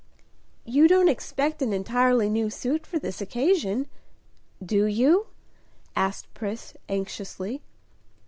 "You don't expect an entirely new suit for this occasion, do you?" asked Pris, anxiously.